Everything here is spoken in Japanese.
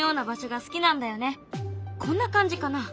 こんな感じかな？